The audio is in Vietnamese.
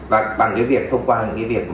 và bằng việc thông qua những việc